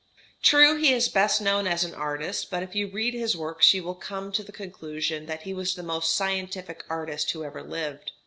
True he is best known as an artist, but if you read his works you will come to the conclusion that he was the most scientific artist who ever lived.